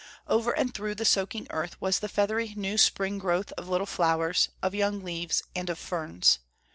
Over and through the soaking earth was the feathery new spring growth of little flowers, of young leaves and of ferns.